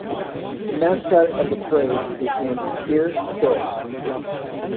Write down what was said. The mascot of the parade is named "Peer Stoet".